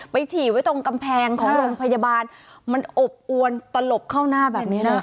ฉี่ไว้ตรงกำแพงของโรงพยาบาลมันอบอวนตลบเข้าหน้าแบบนี้นะ